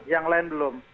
yang lain belum